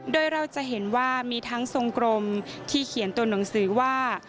โดยเราจะเห็นว่ามีทั้งทรงกรมที่เขียนตัวหนังสือว่า